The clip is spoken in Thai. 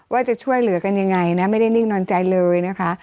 ว่าจะช่วยเหลือกันยังไงนะไม่ได้นิ่งนอนใจเลยนะคะ